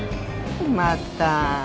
また。